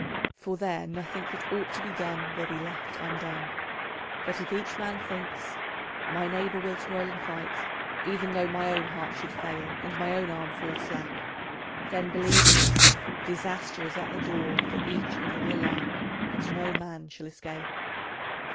For there nothing that ought to be done will be left undone. But if each man thinks 'My neighbour will toil and fight, even though my own heart should fail and my own arm fall slack,' then, believe me, disaster is at the door for each and all alike, and no man shall escape.